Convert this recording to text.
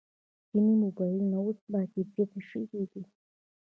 چیني موبایلونه اوس باکیفیته شوي دي.